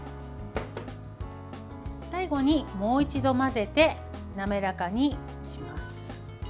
最後にもう一度混ぜて滑らかにします。